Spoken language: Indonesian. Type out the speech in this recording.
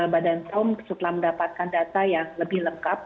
badan pom setelah mendapatkan data yang lebih lengkap